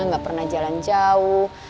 nggak pernah jalan jauh